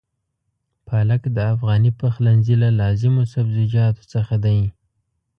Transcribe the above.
پالک د افغاني پخلنځي له لازمو سبزيجاتو څخه دی.